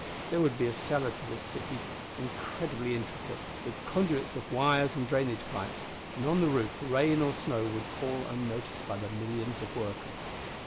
There would be a cellar to this city, incredibly intricate with conduits of wires and drainage pipes, and on the roof rain or snow would fall unnoticed by the millions of workers.